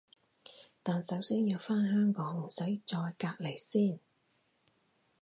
但首先要返香港唔使再隔離先